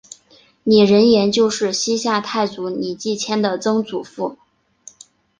李仁颜就是西夏太祖李继迁的曾祖父。